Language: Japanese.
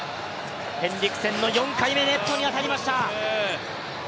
ヘンリクセンの４回目、ネットに当たりました。